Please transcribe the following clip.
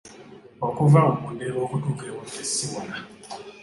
Okuva awo mu Ndeeba okutuuka ewaffe ssi wala.